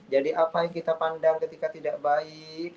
jadi apa yang kita pandang ketika tidak baik